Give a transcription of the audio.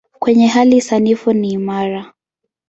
Kwenye hali sanifu ni imara.